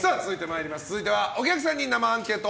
続いてはお客さんに生アンケート！